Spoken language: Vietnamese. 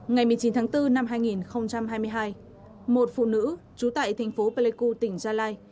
ngày một mươi chín tháng bốn năm hai nghìn hai mươi hai một phụ nữ trú tại thành phố pleiku tỉnh gia lai